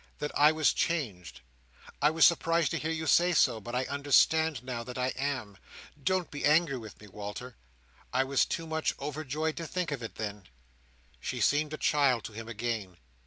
"—that I was changed. I was surprised to hear you say so, but I understand, now, that I am. Don't be angry with me, Walter. I was too much overjoyed to think of it, then." She seemed a child to him again.